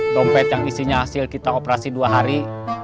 dompet yang isinya hasil kita operasi dua hari